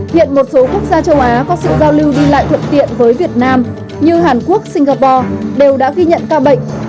hiện một số quốc gia châu á có sự giao lưu đi lại thuận tiện với việt nam như hàn quốc singapore đều đã ghi nhận ca bệnh